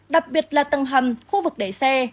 đặc biệt là tầng hầm khu vực đẩy xe